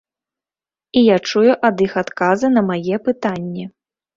І я чую ад іх адказы на мае пытанні.